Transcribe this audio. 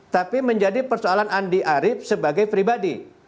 tapi menjadi persoalan andi arief sebagai pribadi